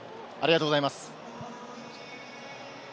ありがとうございます。